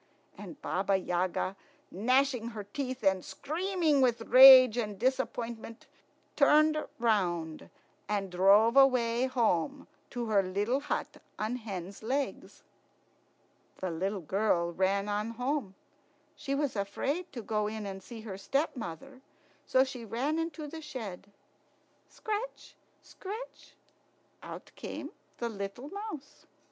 And Baba Yaga, gnashing her teeth and screaming with rage and disappointment, turned round and drove away home to her little hut on hen's legs. The little girl ran on home. She was afraid to go in and see her stepmother, so she ran into the shed. Scratch, scratch! Out came the little mouse.